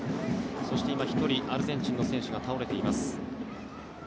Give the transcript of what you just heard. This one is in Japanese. そして今、１人アルゼンチンの選手が倒れています。